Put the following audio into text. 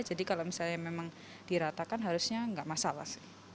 jadi kalau misalnya memang diratakan harusnya tidak masalah